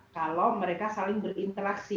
kalau mereka saling berinteraksi